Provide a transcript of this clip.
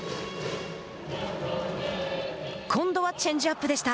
今度はチェンジアップでした。